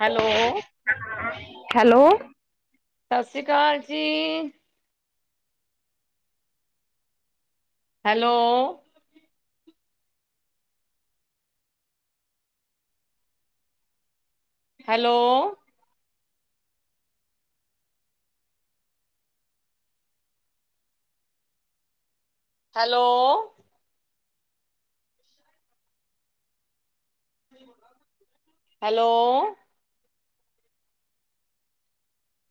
Hello. Hello. ਸਤਿ ਸ਼੍ਰੀ ਅਕਾਲ ਜੀ। ਹੈਲੋ। ਹੈਲੋ। ਹੈਲੋ। ਹੈਲੋ।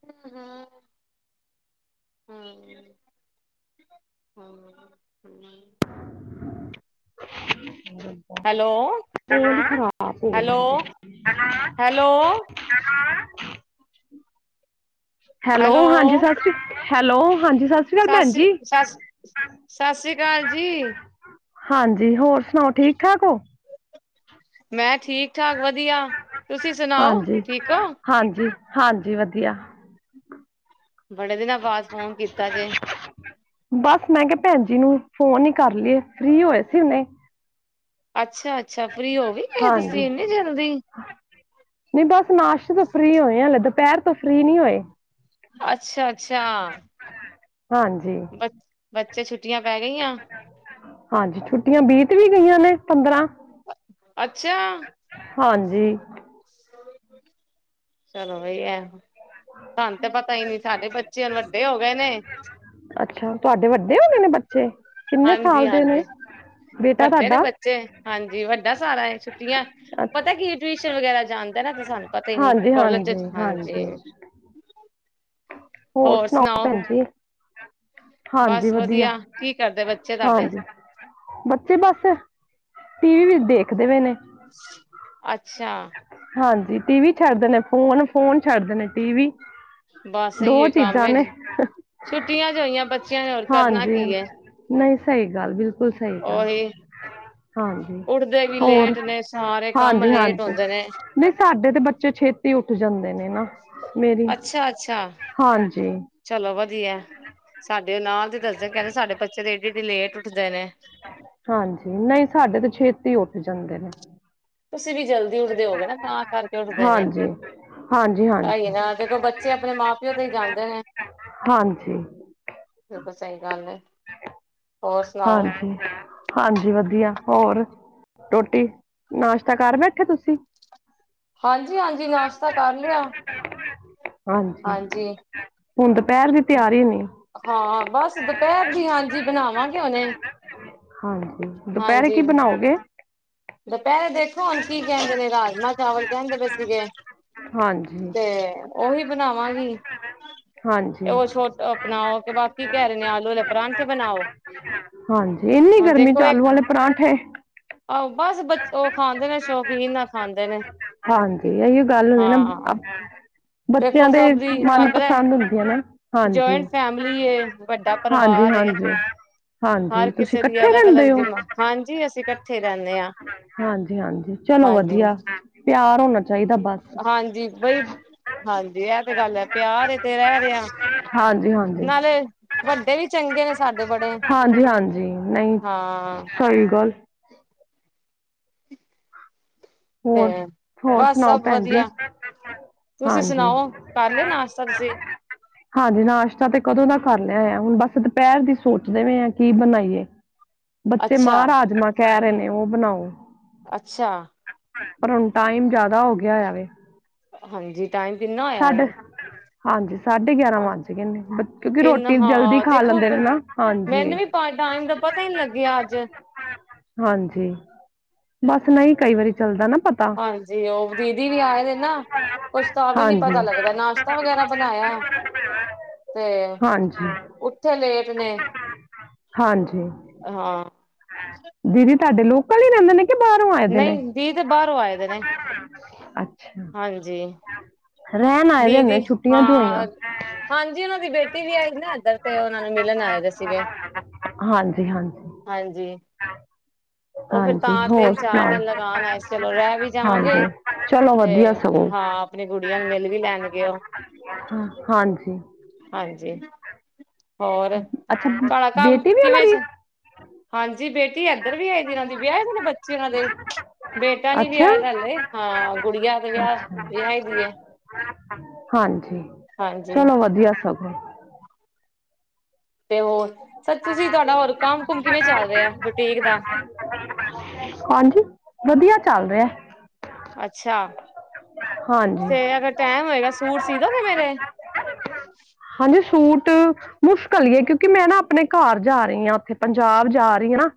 ਹੁੰ, ਹੁੰ। ਹੁੰ, ਹੁੰ, ਹੁੰ। Hello, [unintelligible] hello. ਹੈਲੋ ਹਾਂਜੀ ਸਤਿ ਸ਼੍ਰੀ ਹੈਲੋ ਹਾਂਜੀ ਸਤਿ ਸ਼੍ਰੀ ਅਕਾਲ ਭੈਣ ਸੱਸ ਜੀ ਸੱਸ ਸਤਿ ਸ੍ਰੀ ਅਕਾਲ ਜੀ। ਹਾਂਜੀ ਹੋਰ ਸੁਣਾਓ ਠੀਕ ਠਾਕ ਹੋ। ਮੈਂ ਠੀਕ ਠਾਕ ਵਧੀਆ, ਤੁਸੀਂ ਸੁਣਾਓ ਠੀਕ ਹੋ? ਹਾਂਜੀ-ਹਾਂਜੀ, ਵਧੀਆ। ਬੜੇ ਦਿਨਾਂ ਬਾਅਦ ਫੋਨ ਕੀਤਾ ਜੇ। ਬਸ ਮੈਂ ਕਿਹਾ ਪੈਣ ਜੀ ਨੂੰ ਫੋਨ ਹੀ ਕਰ ਲਈਏ ਫ੍ਰੀ ਹੋਏ ਸੀ ਹੁਨੇ। ਅੱਛਾ-ਅੱਛਾ, ਫ੍ਰੀ ਹੋ ਵੀ ਗਏ ਤੁਸੀਂ ਹਾਂਜੀ ਇੰਨੀ ਜਲਦੀ। ਨਹੀਂ ਬਸ ਨਾਸ਼ਤੇ ਤੋਂ ਫਰੀ ਹੋਏ ਹਲੇ, ਦੁਪਹਿਰ ਤੋਂ ਫ੍ਰੀ ਨਹੀਂ ਹੋਏ। ਅੱਛਾ-ਅੱਛਾ। [unintelligible] ਹਾਂਜੀ। ਬਚ-ਬੱਚੇ ਛੁੱਟੀਆਂ ਪੈ ਗਈਆ? ਹਾਂਜੀ, ਛੁੱਟੀਆਂ ਬੀਤ ਵੀ ਗਈਆਂ ਨੇ ਪੰਦਰਾਂ। ਅੱਛਾ। ਹਾਂਜੀ ਚਲੋ ਵਈ ਐ। ਸਾਨੂੰ ਤੇ ਪਤਾ ਹੀ ਨੀ ਸਾਡੇ ਬੱਚੇ ਨੂੰ ਵੱਡੇ ਹੋ ਗਏ ਨੇ। ਅੱਛਾ ਤੁਹਾਡੇ ਵੱਡੇ ਹੋਗੇ ਨੇ ਬੱਚੇ, ਕਿੰਨੇ ਹਾਂਜੀ ਸਾਲ ਦੇ ਨੇ, ਹਾਂਜੀ ਬੇਟਾ ਵੱਡੇ ਨੇ ਤੁਹਾਡਾ? ਬੱਚੇ ਹਾਂਜੀ ਵੱਡਾ ਸਾਰਾ ਹੈ ਛੁੱਟੀਆਂ, ਅੱਛ- ਪਤਾ ਕੀ ਟਿਊਸ਼ਨ ਵਗੈਰਾ ਜਾਂਦਾ ਨਾ ਤੇ ਸਾਨੂੰ ਪਤਾ ਹੀ ਨਹੀਂ ਹਾਂਜੀ ਕੋਲਜ 'ਚ ਹਾਂਜੀ ਹਾਂਜੀ। ਹੋਰ ਸੁਣਾਓ ਭੈਣ ਜੀ। ਬਸ ਵਧੀਆ, ਕੀ ਕਰਦੇ ਬੱਚੇ ਤੁਹਾਡੇ? ਹਾਂਜੀ ਬੱਚੇ ਬਸ, ਟੀਵੀ ਦੇਖਦੇ ਪਏ ਨੇ। ਅੱਛਾ। ਹਾਂਜੀ ਟੀਵੀ ਛੱਡ ਦੇ ਨੇ ਫੂਨ, ਫੂਨ ਛੱਡ ਦੇ ਨੇ ਟੀਵੀ। ਬਸ ਦੋ ਇਹੀ ਕੰਮ ਚੀਜ਼ਾਂ ਏ, ਨੇ ਛੁੱਟੀਆਂ 'ਚ ਹੋਈਆਂ ਬੱਚਿਆਂ ਨੇ ਹੋਰ ਕਰਨਾ ਹਾਂਜੀ ਕੀ ਏ। ਨਹੀਂ ਸਹੀ ਗੱਲ ਬਿਲ ਬਿਲਕੁਲ ਸਹੀ ਗੱਲ। ਉਹੀ ਹਾਂਜੀ, ਉੱਠਦੇ ਵੀ ਹੋਰ ਲੇਟ ਨੇ ਸਾਰੇ ਕੰਮ ਹਾਂਜੀ-ਹਾਂਜੀ। [unintelligible] ਨਹੀਂ ਸਾਡੇ ਤੇ ਬੱਚੇ ਛੇਤੀ ਉੱਠ ਜਾਂਦੇ ਨੇ ਨਾ। ਮੇਰੀ, ਅੱਛਾ ਅੱਛਾ ਹਾਂਜੀ। ਚਲੋ ਵਧੀਆ, ਸਾਡੇ ਨਾਲ ਤੇ ਦੱਸਦੇ ਕਹਿੰਦੇ ਸਾਡੇ ਬੱਚੇ ਤੇ ਏਡੀੇ-ਏਡੀੇ ਲੇਟ ਉੱਠਦੇ ਨੇ। ਹਾਂਜੀ ਨਹੀਂ ਸਾਡੇ ਤੇ ਛੇਤੀ ਉੱਠ ਜਾਂਦੇ ਨੇ। ਤੁਸੀਂ ਵੀ ਜਲਦੀ ਉੱਠਦੇ ਹੋਓਗੇ ਨਾ ਤਾਂ ਕਰਕੇ ਉੱਠਦੇ ਨੇ। ਹਾਂਜੀ ਹਾਂਜੀ ਅਹੀ ਹਾਂਜੀ ਨਾ ਦੇਖੋ ਬੱਚੇ ਆਪਣੇ ਮਾਂ-ਪਿਓ ਤੇ ਹੀ ਜਾਂਦੇ ਨੇ। ਹਾਂਜੀ ਬਿਲਕੁਲ ਸਹੀ ਗੱਲ ਐ। ਹਾਂਜੀ। ਹਾਂਜੀ ਵਧੀਆ, ਹੋਰ, ਰੋਟੀ ਨਾਸ਼ਤਾ ਕਰ ਬੈਠੇ ਤੁਸੀਂ? ਹਾਂਜੀ-ਹਾਂਜੀ ਨਾਸ਼ਤਾ ਕਰ ਲਿਆ। ਹਾਂਜੀ, ਹੁਣ ਦੁਪਹਿਰ ਦੀ ਤਿਆਰੀ ਨੇ। ਹਾਂ ਬਸ ਦੁਪਹਿਰ ਦੀ ਹਾਂ ਜੀ ਬਣਾਵਾਂਗੇ ਹੁਨੇ ਹਾਂਜੀ ਦੁਪਹਿਰੇ ਕੀ ਹਾਂਜੀ। ਬਣਾਓਗੇ ਦੁਪਹਿਰ ਦੇਖੋ ਹੁਣ ਕੀ ਕਹਿੰਦੇ ਨੇ ਰਾਜਮਾਂ ਚਾਵਲ ਕਹਿੰਦੇ ਪਏ ਸੀਗੇ। ਹਾਂਜੀ। ਤੇ, ਉਹੀ ਬਣਾਵਾਂਗੀ। ਤੇ ਹਾਂਜੀ ਉਹ ਛੋਟ ਅਪਣਾ ਓ ਤੇ ਬਾਕੀ ਕਹਿ ਰਹੇ ਨੇ ਆਲੂ ਆਲੇ ਪਰਾਂਠੇ ਬਣਾਓ। ਹਾਂਜੀ ਇੰਨੀ ਹੁਣ ਗਰਮੀ 'ਚ ਦੇਖੋ ਇੱਕ ਆਲੂ ਆਲੇ ਪਰਾਂਠੇ। ਆਹੋ ਬਸ ਬ ਉਹ ਖਾਂਦੇ ਨੇ। ਸ਼ੌਕੀਨ ਨਾ ਖਾਂਦੇ ਨੇ। ਹਾਂਜੀ ਇਹੀਓ ਗੱਲ ਹੁੰਦੀ ਨਾ ਹਾਂ ਬੱਚਿਆਂ ਦੇਖੋ ਦੇ ਸਭ ਦੀ ਤੁਹਾਨੂੰ ਪਤਾ, ਮਨਪਸੰਦ ਹੁੰਦੀਆਂ ਨਾ ਹਾਂਜੀ ਜਆਇੰਟ ਫੈਮਿਲੀ ਏ। ਵੱਡਾ ਹਾਂਜੀ ਪਰਿਵਾਰ ਏ। ਹਾਂਜੀ ਹਾਂਜੀ ਹਰ ਤੁਸੀਂ ਕਿਸੇ ਦੀ ਇਕੱਠੇ ਅਲੱਗ-ਅਲੱਗ ਰਹਿੰਦੇ ਹੋ ਜਿਮਾ ਹਾਂਜੀ ਅਸੀਂ ਇਕੱਠੇ ਰਹਿੰਨੇ ਆ। ਹਾਂਜੀ। ਹਾਂਜੀ-ਹਾਂਜੀ ਚਲੋ ਹਾਂਜੀ। ਵਧੀਆ, ਪਿਆਰ ਹੋਣਾ ਚਾਹੀਦਾ ਬਸ। ਹਾਂਜੀ ਬਈ ਹਾਂਜੀ ਐ ਤੇ ਗੱਲ ਹੈ ਪਿਆਰ ਏ ਤੇ ਰਹਿ ਰਹੇ ਆ, ਹਾਂਜੀ ਹਾਂਜੀ ਨਾਲੇ ਵੱਡੇ ਵੀ ਚੰਗੇ ਨੇ ਸਾਡੇ ਬੜੇ। ਹਾਂਜੀ ਹਾਂਜੀ ਨਹੀਂ ਹਾਂ ਸਹੀ ਗੱਲ ਤੇ ਹੋਰ, ਹੋਰ ਬਸ ਸੁਣਾਓ ਸਭ ਭੈਣ ਜੀ। ਵਧੀਆ ਤੁਸੀਂ ਹਾਂਜੀ। ਸੁਣਾਓ ਕਰ ਲਿਆ ਨਾਸ਼ਤਾ ਤੁਸੀਂ ਹਾਂਜੀ ਨਾਸ਼ਤਾ ਤੇ ਕਦੋਂ ਦਾ ਕਰ ਲਿਆ ਆ ਹੁਣ ਬਸ ਦੁਪਹਿਰ ਦੀ ਸੋਚ ਦੇ ਵੇ ਆ ਕੀ ਬਣਾਈਏ। ਬੱਚੇ ਮਾਂ ਅੱਛਾ-ਅੱਛਾ ਰਾਜਮਾਂ ਕਹਿ ਰਹੇ ਨੇ ਉਹ ਬਣਾਓ। ਅੱਛਾ। ਪਰ ਹੁਣ ਟਾਈਮ ਜਿਆਦਾ ਹੋ ਗਿਆ ਹੋਇਆ ਵੇ। ਹਾਂਜੀ ਟਾਈਮ ਕਿੰਨਾ ਹੋਇਆ ਸਾਡੇ ਹਲੇ ਹਾਂਜੀ ਸਾਢੇ ਗਿਆਰਾਂ ਵੱਜ ਗਏ ਨੇ ਬ ਕਿਉਂਕਿ ਇੰਨਾ ਰੋਟੀ ਜਲਦੀ ਹਾਂ ਖਾ ਦੇਖੋ ਲਦੇ ਨੇ ਨਾ ਹਾਂਜੀ ਮੈਨੂੰ ਵੀ ਪਾ ਟਾਈਮ ਦਾ ਪਤਾ ਹੀ ਨਹੀਂ ਲੱਗਿਆ ਅੱਜ ਹਾਂਜੀ ਬਸ ਨਹੀਂ ਕਈ ਵਾਰੀ ਚੱਲਦਾ ਨਾ ਪਤ ਤਾ ਹਾਂਜੀ ਉਹ ਦੀਦੀ ਵੀ ਆਏ ਦੇ ਨਾ ਕੁਛ ਤਾਂ ਵੀ ਨੀ ਹਾਂਜੀ ਪਤਾ ਲੱਗਦਾ ਨਾਸ਼ਤਾ ਵਗੈਰਾ ਬਣਾਇਆ [unintelligible] ਤੇ ਹਾਂਜੀ ਉੱਠੇ ਲੇਟ ਨੇ ਹਾਂਜੀ ਹਾਂ ਦੀਦੀ ਤੁਹਾਡੇ ਲੋਕਲ ਹੀ ਰਹਿੰਦੇ ਨੇ ਕਿ ਬਾਹਰੋਂ ਆਏ ਨਹੀਂ ਦੀ ਤੇ ਬਾਹਰੋਂ ਆਏ ਦੇ ਨੇ ਅੱਛ ਹਾਂਜੀ ਆਏ ਦੇ ਦੀਦੀ ਨੇ ਛੁੱਟੀਆਂ ਚ ਹੋਈਆਂ ਹਾਂ ਹਾਂਜੀ ਉਹਨਾਂ ਦੀ ਬੇਟੀ ਵੀ ਆਈ ਦੀ ਨਾ ਇੱਧਰ ਤੇ ਉਹਨਾਂ ਨੂੰ ਮਿਲਣ ਆਏ ਦੇ ਸੀਗੇ ਹਾਂਜੀ, ਹਾਂਜੀ ਹਾਂਜੀ [unintelligible] ਉਹ ਫੇਰ ਹਾਂਜੀ ਤਾਂ ਹੋਰ ਤਿੰਨ-ਚਾਰ ਦਿਨ ਸੁਣਾਓ ਲਗਾਨ ਆਏ ਸੀ ਚਲੋ ਰਹਿ ਵੀ ਜਾਵਾਂਗੇ ਹਾਂਜੀ ਚਲੋ ਤੇ ਵਧੀਆ ਸਗੋਂ ਹਾਂ ਅਪਣੀ ਗੁੜੀਆਂ ਨੂੰ ਮਿਲ ਵੀ ਲੈਣਗੇ ਉਹ ਹਾ ਹਾਂਜੀ ਹਾਂਜੀ ਹੋਰ ਅੱਛਾ ਤੁਹਾਡਾ ਕੰਮ ਬੇਟੀ ਵੀ ਉਹਨਾਂ ਕਿਵੇਂ ਦੀ ਚ ਹਾਂਜੀ ਬੇਟੀ ਐਧਰ ਵੀ ਆਈ ਦੀ ਇਹਨਾਂ ਦੀ ਵਿਆਹੇ ਦੇ ਨੇ ਬੱਚੇ ਉਹਨਾਂ ਦੇ ਬੇਟਾ ਨੀ ਅੱਛਾ ਵਿਆਹੀਆਂ ਦਾ ਹਲੇ ਹਾਂ ਗੁਡੀਆਂ ਵਿਆਹ ਅੱਛਾ ਵਿਆਹੀ ਦੀ ਐ ਹਾਂਜੀ ਹਾਂਜੀ ਚਲੋ ਵਧੀਆ ਸਭ [inaudible] ਤੇ ਹੋਰ ਸੱਚ ਤੁਸੀਂ ਤੁਹਾਡਾ ਹੋਰ ਕੰਮ ਕੁੁੰਮ ਕਿਵੇਂ ਚੱਲ ਰਿਹਾ ਬੁਟੀਕ ਦਾ ਹਾਂਜੀ ਵਧੀਆ ਚੱਲ ਰਿਹਾ ਹੈ। ਅੱਛਾ ਹਾਂਜੀ ਤੇ ਅਗਰ ਟੈਮ ਹੋਏਗਾ ਸੂਟ ਸੀਅ ਦੋਗੇ ਮੇਰੇ ਹਾਂਜੀ ਸੂਟ ਮੁਸ਼ਕਿਲ ਈ ਐ ਕਿਉਂਕਿ ਮੈਂ ਨਾ ਆਪਣੇ ਘਰ ਜਾ ਰਹੀ ਆ ਉੱਥੇ ਪੰਜਾਬ ਜਾ ਰਹੀ ਆ ਨਾ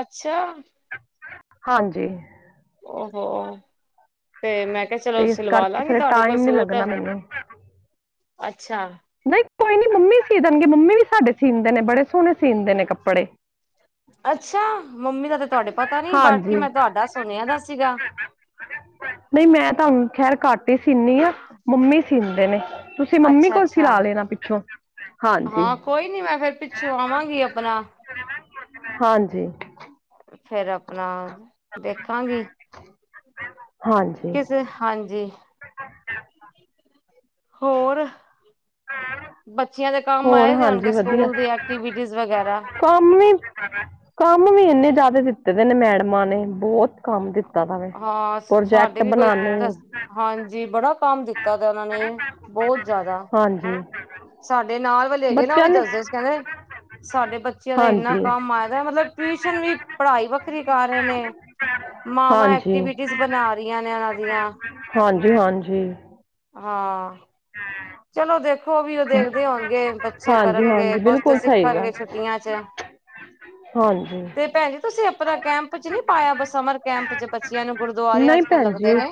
ਅੱਛਾ। ਹਾਂਜੀ ਓਹੋ, ਤੇ ਮੈਂ ਕਿਹਾ ਚਲੋ ਤੇ ਇਸ ਸਿਲਵਾ ਕਰਕੇ ਲਾਗੀ ਫਿਰ ਤੁਹਾਡੇ ਕੋਲ ਟਾਈਮ ਨਹੀਂ ਸੂਟ ਲੱਗਣਾ ਮੈਨੂੰ ਅੱਛਾ ਨਹੀਂ ਕੋਈ ਨੀ ਮੰਮੀ ਸੀ ਦੇਣਗੇ ਮੰਮੀ ਵੀ ਸਾਡੇ ਸੀਦੇ ਨੇ ਬੜੇ ਸੋਹਣੇ ਸੀਂਦੇ ਨੇ ਕੱਪੜੇ। ਅੱਛਾ! ਮੰਮੀ ਦਾ ਤੇ ਤੁਹਾਡੇ ਪਤਾ ਨੀ ਹਾਂਜੀ ਬਾਕੀ ਮੈਂ ਤੁਹਾਡਾ ਸੁਣਿਆ ਦਾ ਸੀਗਾ‌। ਨਹੀਂ, ਮੈਂ ਤਾਂ ਓ ਖੈਰ ਘੱਟ ਹੀ ਸੀਨੀ ਆ ਮੰਮੀ ਸੀਂਦੇ ਨੇ। ਤੁਸੀਂ ਮੰਮੀ ਅੱਛਾ ਕੋਲ ਅੱਛਾ ਸਿਲਾ ਲੈਣਾ ਪਿੱਛੋਂ ਹਾਂਜੀ ਹਾਂ, ਕੋਈ ਨੀ ਮੈਂ ਫੇਰ ਪਿੱਛੋਂ ਆਵਾਂਗੀ ਅਪਣਾ ਹਾਂਜੀ। ਫੇਰ ਅਪਣਾ ਦੇਖਾਂਗੀ ਹਾਂਜੀ ਕਿਸ ਹਾਂਜੀ ਹੋਰ, ਬੱ ਬੱਚਿਆਂ ਦੇ ਕੰਮ ਹੋਰ ਆਏ ਦੇ ਹਾਂਜੀ ਹੋਣਗੇ ਵਧੀਆ ਸਕੂਲ ਦੀ ਐਕਟੀਵਿਟੀਜ ਵਗੈਰਾ ਕੰਮ ਵੀ, ਕੰਮ ਵੀ ਇੰਨੇ ਜ਼ਿਆਦਾ ਦਿੱਤੇ ਦੇ ਨੇ, ਮੈਡਮਾਂ ਨੇ ਬੋਤ ਕੰਮ ਦਿੱਤਾ ਦਾ ਵ, ਹਾਂ ਸਾਡੇ ਪ੍ਰੋਜੈਕਟ ਵੀ ਕੋਈ ਬਣਾਣੇ ਨੇ ਹਾਂਜੀ, ਬੜਾ ਕੰਮ ਦਿੱਤਾ, ਤ ਓਹਨਾਂ ਨੇ ਬੋਤ ਜ਼ਾਦਾ ਹਾਂਜੀ। ਸਾਡੇ ਨਾਲ ਵਾਲੇ ਹੈਗੇ ਨਾ ਉਹ ਵੀ ਬੱਚਿਆਂ ਨੇ ਦੱਸਦੇ ਸੀ, ਕੈਂਦੇ ਸਾਡੇ ਬੱਚਿਆਂ ਦਾ ਏਨਾ ਹਾਂਜੀ ਕੰਮ ਆਏ ਦਾ ਮਤਲਬ ਟਿਊਸ਼ਨ ਵੀ, ਪੜ੍ਹਾਈ ਵੱਖਰੀ ਕਰ ਰਏ ਨੇ। ਮਾਵਾਂ ਹਾਂਜੀ ਐਕਟੀਵਿਟੀਜ਼ ਬਣਾ ਰਹੀਆਂ ਨੇ, ਏਨਾਂ ਦੀਆਂ। ਹਾਂਜੀ- ਹਾਂਜੀ। ਹਾਂ। ਹੁ। ਚਲੋ, ਦੇਖੋ ਵੀ ਓਹ ਦੇਖਦੇ ਹੋਣਗੇ, ਬੱਚੇ ਹਾਂਜੀ ਕਰਨਗੇ ਹਾਂਜੀ ਕੁਛ ਤੇ ਬਿਲਕੁਲ ਸਹੀ ਸਿੱਖਣਗੇ ਛੁੱਟੀਆਂ ਚ। ਔਰ ਤੇ ਭੈਣ ਜੀ, ਤੁਸੀਂ ਆਪਣਾ ਕੈਂਪ ਚ ਨੀ ਪਾਇਆ, ਸਮਰ ਕੈਂਪ ਚ, ਬੱਚਿਆਂ ਨੂੰ ਗੁਰਦੁਆਰੇ ਨਹੀਂ ਅੱਜ ਕੱਲ ਲੱਗਦੇ ਨੇ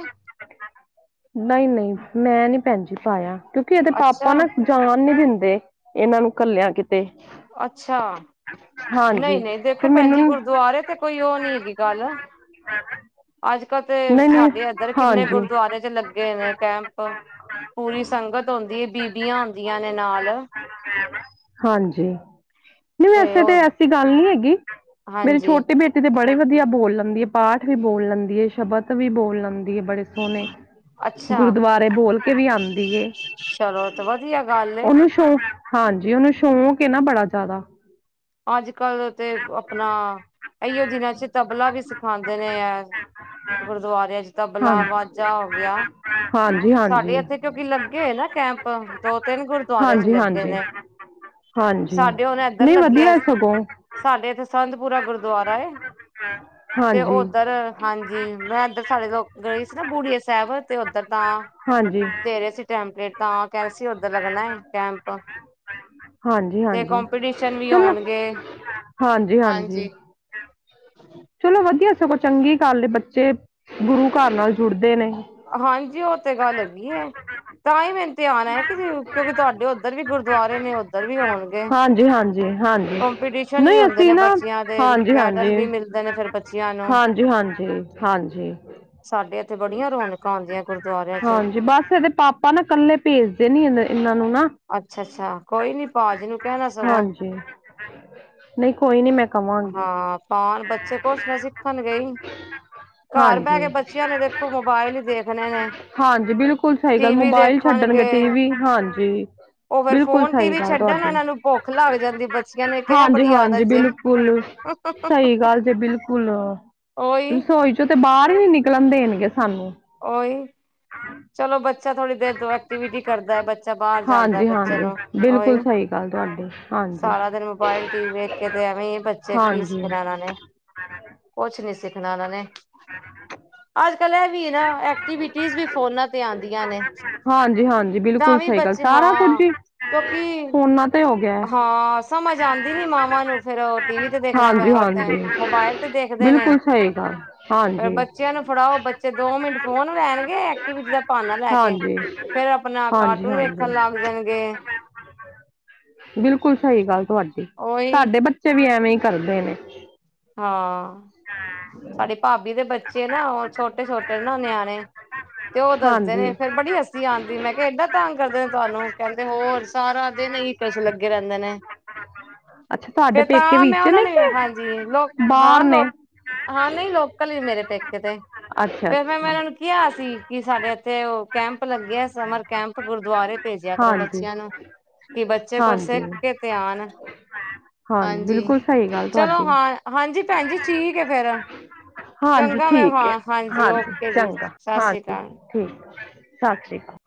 ਨਈ-ਨਈ, ਮੈਂ ਨੀ ਭੈਣਜੀ ਪਾਇਆ, ਕਿਉਂਕਿ ਇਹਦੇ ਪਾਪਾ ਅੱਛਾ ਨਾ ਜਾਣ ਨੀ ਦਿੰਦੇ, ਏਹਨਾਂ ਨੂੰ ਕੱਲੇਆਂ ਕਿਤੇ ਤੇ ਅੱਛਾ। ਹਾਂ ਨਈ- ਨਈ ਦੇਖੋ ਭੈਣ ਜੀ, ਗੁਰਦੁਆਰੇ ਤੇ ਕੋਈ ਓਹ ਨੀ ਹੈਗੀ ਗੱਲ ਹਾਂ ਅੱਜ- ਕੱਲ੍ਹ ਤੇ ਸਾਡੇ ਏਧਰ ਕਿੰਨੇ ਹਾਂਜੀ ਗੁਰਦੁਆਰੇ ਚ ਲੱਗੇ ਨੇ ਕੈਂਪ ਪੂਰੀ ਸੰਗਤ ਹੁੰਂਦੀ ਏ, ਬੀਬੀਆਂ ਹੁੰਦੀਆਂ ਨੇ ਨਾਲ ਹਾਂਜੀ। ਨਹੀਂ, ਤੇ ਵੈਸੇ ਤਾਂ ਉਹ ਐਸੀ ਗੱਲ ਨਹੀਂ, ਹੈਗੀ ਮੇਰੀ ਹਾਂਜੀ ਛੋਟੇ ਬੇਟੇ ਤੇ ਬੜੇ ਵਧੀਆ ਬੋਲ ਲੈਂਦੀ ਹੈ, ਪਾਠ ਵੀ ਬੋਲ ਲੈਂਦੀ ਹੈ, ਸ਼ਬਦ ਵੀ ਬੋਲ ਲੈਂਦੀ ਹੈ, ਬੜੇ ਸੋਹਣੇ ਅੱਛਾ ਗੁਰਦੁਆਰੇ ਬੋਲ ਕੇ ਵੀ ਆਉਂਦੀ ਏ। ਚਲੋ ਤੇ ਵਧੀਆ ਗੱਲ ਏ ਉਹਨੂੰ ਸ਼ੌਕ ਹਾਂਜੀ। ਉਹਨੂੰ ਸ਼ੌਕ ਏ ਨਾ ਬੜਾ ਜ਼ਿਆਦਾ ਅੱਜ- ਕੱਲ ਤੇ ਆਪਣਾ ਇਹੀਓ ਦਿਨਾਂ ਚ ਤਬਲਾ ਵੀ ਸਿਖਾਉਂਦੇ ਨੇ ਏ। ਗੁਰਦੁਆਰਿਆਂ ਚ ਹਾਂ ਤਬਲਾ, ਵਾਜਾ ਹੋ ਗਿਆ। ਹਾਂਜੀ ਸਾਡੇ ਹਾਂਜੀ ਇੱਥੇ ਕਿਉਂਕਿ, ਲੱਗੇ ਏ ਨਾ ਕੈਂਪ ਦੋ -ਤਿੰਨ ਗੁਰਦੁਆਰਿਆਂ ਚ ਹਾਂਜੀ ਲੱਗੇ ਹਾਂਜੀ ਨੇ। ਹਾਂਜੀ, ਸਾਡੇ ਹੁਣ ਇੱਧਰ ਨਹੀਂ ਲੱਗੀ ਆ ਵਧੀਆ ਸਗੋਂ ਸਾਡੇ ਇੱਥੇ ਸੰਤਪੁਰਾ ਗੁਰਦਆਰਾ ਏ ਹਾਂ। ਤੇ ਉੱਧਰ ਹਾਂਜੀ ਮੈਂ ਇੱਧਰ ਸਾਡੇ ਲੋਕ ਗਈ ਸੀ ਨਾ ਬੂੜੀਏ ਸਾਹਿਬ, ਤੇ ਉੱਧਰ ਤਾਂ ਹਾਂਜੀ। ਦੇ ਰਹੇ ਸੀ ਟੈਂਪਲੇਟ ਤਾਂ ਕਹਿ ਸੀ ਉਧਰ ਲਗਣਾ ਹੈ ਕੈਂਪ ਹਾਂਜੀ ਤੇ ਹਾਂਜੀ ਕਪੀਟੀਸ਼ਨ ਵੀ ਚਲੋ ਹੋਉਣਗੇ- ਹਾਂਜੀ- ਹਾਂਜੀ। ਚਲੋ ਵਧੀਆ ਸਗੋ ਚੰਗੀ ਗੱਲ ਏ ਬੱਚੇ ਗੁਰੂ ਘਰ ਨਾਲ ਜੁੜਦੇ ਨੇ। ਹਾਂਜੀ ਉਹ ਤੇ ਗੱਲ ਹੈਗੀ ਹੈ। ਤਾਂ ਹੀ ਮੇ ਇਮਤਿਹਾਨ ਹ ਕਿ ਕਿਉਕਿ ਤੁਹਾਡੇ ਉਧਰ ਵੀ ਗੁਰਦੁਆਰੇ ਨੇ ਉਧਰ ਵੀ ਹੋਣਗੇ। ਹਾਂਜੀ ਹਾਂਜੀ ਹਾਂਜੀ ਕੰਪੀਟੀਸ਼ਨ ਵੀ ਨਹੀਂ ਹੁੰਦੇ ਅਸੀਂ ਨੇ ਨਾ ਬੱਚਿਆਂ- ਤੇ ਹਾਂਜੀ ਮੈਡਲ ਹਾਂਜੀ ਵੀ ਮਿਲਦੇ ਨੇ ਫਿਰ ਬੱਚਿਆਂ ਨੂੰ। ਹਾਂਜੀ ਹਾਂਜੀ ਹਾਂਜੀ ਸਾਡੇ ਇਥੇ ਬੜੀਆਂ ਰੌਣਕਾ ਹਾਂਜੀ ਬਸ ਇਹਦੇ ਪਾਪਾ ਨਾ ਇਕਲੇ ਭੇਜਦੇ ਨੀ ਇਹ ਇਹਨਾ ਨੂੰ ਨਾ ਅਛਾ-ਅਛਾ ਕੋਈ ਨੀ ਭਾਜੀ ਨੂੰ ਕਹਿਣਾ ਸਗੋਂ ਹਾਂਜੀ ਨਈ ਕੋਈ ਨੀ ਮੈ ਹਾਂ ਪਾਨ ਬੱਚੇ ਕੁਛ ਨਾ ਸਿੱਖਣਗੇ ਈ ਘਰ ਬੈ ਹਾਂਜੀ ਕੇ ਬੱਚਿਆਂ ਨੇ ਦੇਖੋ ਮੋਬਾਇਲ ਦੇਖਣੇ ਨੇ ਹਾਂਜੀ ਬਿਲਕੁਲ ਸਈ ਗੱਲ ਟੀ ਵੀ ਮੋਬਾਇਲ ਛੱਡਣਗੇ ਟੀ ਵੀ ਹਾਂਜੀ ਓ ਫੇਰ ਬਿਲਕੁਲ ਫੋਨ ਟੀ ਸਹੀ ਵੀ ਗੱਲ ਛੱਡਣ ਤੁਹਾਡੀ ਏਨਾਂ ਨੂੰ ਭੁੱਖ ਲਗ ਜਾਦੀ ਬੱਚਿਆਂ ਨੇ ਏਕ ਏ ਬੜੀ ਆਦਤ ਜੇ ਬੁਲ ਸਈ ਗੱਲ ਜੇ ਬਿਲਕੁਲ ਉਹੀ ਸੋ ਤੇ ਬਾਰ ਈ ਨੀ ਨਿਕਲਣ ਦੇਣਗੇ ਸਾਨੂੰ ਓਈ ਚਲੋ ਬੱਚਾ ਥੋੜ੍ਹੀ ਦੇਰ ਤੋਂ ਐਕਟੀਵਿਟੀ ਕਰਦਾ ਬੱਚਾ ਬਾਰ ਜਾਦਾ ਹਾਂਜੀ ਬੱਚੇ ਹਾਂਜੀ ਨੂੰ ਬਿਲਕੁਲ ਉਹੀ ਸਈ ਗੱਲ ਤੁਆਡੀ ਹਾਂਜੀ। ਸਾਰਾ ਦਿਨ ਮੋਬਾਇਲ ਟੀ ਵੇਖ ਕੇ ਤੇ ਐਵੇ ਬੱਚੇ ਕੀ ਹਾਂਜੀ ਸਿੱਖਣਾ ਏਨਾਂ ਨੇ ਕੁਛ ਨੀ ਸਿੱਖਣਾ ਏਨਾਂ ਨੇ ਅੱਜ-ਕੱਲ ਏਵੀ ਏ ਨਾ ਐਕਟੀਵਿਟੀਜ ਵੀ ਫੋਨਾ ਤੇ ਆਂਦੀਆਂ ਨੇ ਹਾਂਜੀ-ਹਾਂਜੀ ਤਾਂ ਬਿਲਕੁਲ ਵੀ ਸਈ ਗੱਲ ਬੱਚੇ ਸਾਰਾ ਕੁਝ ਹਾਂ ਈ ਕਿਉਂਕਿ ਫੋਨਾ ਤੇ ਹੋ ਗਿਆ ਹੈ। ਹਾਂ ਸਮਝ ਆਂਦੀ ਨੀ ਮਾਵਾਂ ਨੂੰ ਫੇਰ ਓ ਟੀ ਵੀ ਤੇ ਦੇਖਣਾ ਪੈ ਤੇ ਹਾਂਜੀ ਹੋਤੇ ਹਾਂਜੀ ਮੋਬਾਇਲ ਤੇ ਦੇਖਦੇ ਨੇ ਬਿਲਕੁਲ ਸਹੀ ਗੱਲ ਫੇਰ ਹਾਂਜੀ। ਬੱਚਿਆਂ ਨੂੰ ਫੜਾਓ ਬੱਚੇ ਦੋ ਮਿੰਟ ਫੋਨ ਲੈਣਗੇ ਐਕਟੀਵਿਟੀ ਦਾ ਭਾਨਾ ਲੈ ਕੇ ਹਾਂਜੀ ਫੇਰ ਆਪਣਾ ਹਾਂਜੀ ਕਾਰਟੂਨ ਹਾਂਜੀ ਵੇਖਣ ਲੱਗ ਜਾਣਗੇ ਬਿਲਕੁਲ ਸਹੀ ਗੱਲ ਤੁਆਡੀ ਉਹੀ ਸਾਡੇ ਬੱਚੇ ਵੀ ਐਵੇ ਈ ਕਰਦੇ ਨੇ ਹਾਂ ਸਾਡੇ ਭਾਬੀ ਦੇ ਬੱਚੇ ਨਾ ਓ ਛੋਟੇ-ਛੋਟੇ ਨਾ ਨਆਣੇ ਤੇ ਉਹ ਦੱਸਦੇ ਹਾਂਜੀ ਨੇ ਫੇਰ ਬੜੀ ਹੱਸੀ ਆਂਦੀ ਮੈ ਕੈਆ ਏਡਾ ਤੰਗ ਕਰਦੇ ਨੇ ਤੁਆਨੂੰ ਕੈਂਦੇ ਹੋਰ ਸਾਰਾ ਦਿਨ ਕੁਛ ਲਗੇ ਰੈਂਦੇ ਨੇ- ਅੱਛਾ ਤੁਆਡੇ ਫੇਰ ਪੇਕੇ ਤਾਂ ਮੈਂ ਵਿਚ ਉਹਨਾਂ ਨੇ ਕੇ ਹਾਂਜੀ ਲੋਕ ਹਾਂ ਲੋਕ ਹਾਂ ਨਈ ਲੋਕਲ ਈ ਮੇਰੇ ਪੇਕੇ ਤੇ ਅੱਛਾ ਫਿਰ ਮੈ-ਮੈ ਅੱਛਾ ਏਨਾ ਨੂੰ ਕੈਆ ਸੀ ਕਿ ਸਾਡੇ ਏਥੇ ਉਹ ਕੈਪ ਲਗੇਆ ਸਮਰ ਕੈਪ ਗੁਰਦੁਆਰੇ ਪੇਜਿਆ ਕਰੋ ਹਾਂਜੀ ਬੱਚਿਆਂ ਨੂੰ ਕਿ ਬੱਚੇ ਕੋਝ ਹਾਂਜੀ ਸੇਖ ਕੇ ਤੇ ਆਨ ਹਾਂਜੀ ਬਿਲਕੁਲ ਸਹੀ ਗੱਲ ਚਲੋ ਤੁਹਾਡੀ ਹਾਂ ਹਾਂਜੀ ਪੈਣ ਜੀ ਠੀਕ ਐ ਫੇਰ ਹਾਂਜੀ ਚੰਗਾ ਠੀਕ ਹੈ ਵੇਵਾਰ ਹਾਂਜੀ ਓਕੇ ਜੀ ਚੰਗਾ ਸਾਸ ਸ੍ਰੀ ਹਾਂਜੀ ਕਾਲ- ਠੀਕ ਸਾਸ ਸ਼੍ਰੀ ਕਾਲ